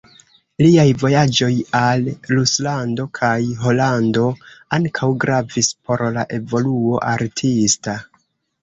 Liaj vojaĝoj al Ruslando kaj Holando ankaŭ gravis por la evoluo artista.